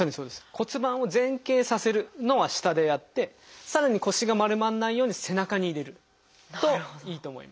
骨盤を前傾させるのは下でやってさらに腰が丸まらないように背中に入れるといいと思います。